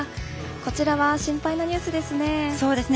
こちらは心配なニュースですね。